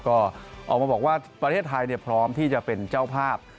ก็ออกมาบอกว่าประเทศไทยพร้อมที่จะเป็นเจ้าภาพ